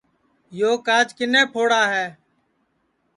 یو کاچ کِنے پھوڑا ہے